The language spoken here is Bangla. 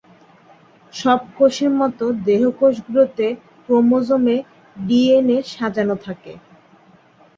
সব কোষের মতো, দেহকোষগুলিতে ক্রোমোজোমে ডিএনএ সাজানো থাকে।